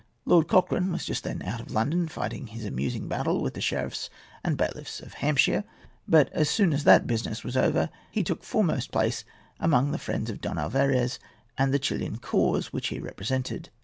Lord Cochrane was just then out of London, fighting his amusing battle with the sheriffs and bailiffs of Hampshire; but as soon as that business was over he took foremost place among the friends of Don Alvarez and the Chilian cause which he represented.